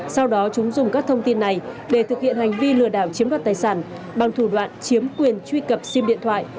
sau đó chúng dùng các thông tin này để thực hiện hành vi lừa đảo chiếm đoạt tài sản bằng thủ đoạn chiếm quyền truy cập sim điện thoại